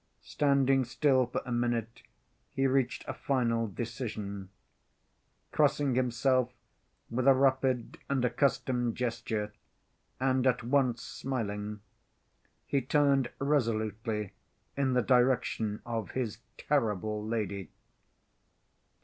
Standing still for a minute, he reached a final decision. Crossing himself with a rapid and accustomed gesture, and at once smiling, he turned resolutely in the direction of his terrible lady.